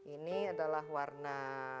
ini adalah warna